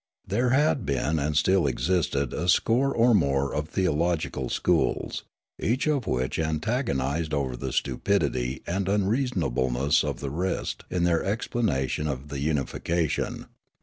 There had been and still existed a score or more of theological schools, each of which agonised over the stupidity and unreasonableness of the rest in their explanation of the unification.